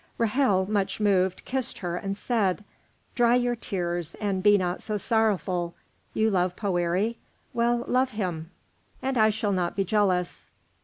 Ra'hel, much moved, kissed her and said, "Dry your tears and be not so sorrowful. You love Poëri? Well, love him, and I shall not be jealous.